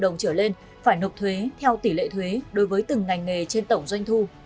doanh thu trên một trăm linh triệu đồng trở lên phải nộp thuế theo tỷ lệ thuế đối với từng ngành nghề trên tổng doanh thu